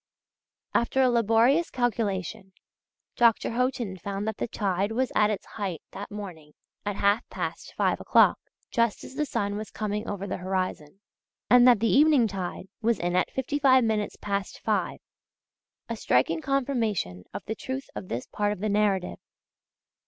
After a laborious calculation, Dr. Haughton found that the tide was at its height that morning at half past five o'clock, just as the sun was coming over the horizon, and that the evening tide was in at fifty five minutes past five: a striking confirmation of the truth of this part of the narrative.